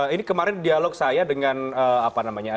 ini kemarin dialog saya dengan apa namanya